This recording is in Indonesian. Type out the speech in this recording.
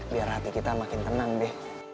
biar hati kita makin tenang deh